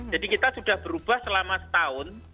jadi kita sudah berubah selama setahun